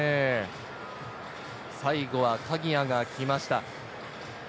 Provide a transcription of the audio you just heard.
最後は鍵谷が来ました。